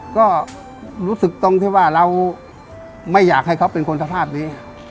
ก็รู้สึกตรงที่ว่าเราไม่อยากให้เขาเป็นคนสภาพนี้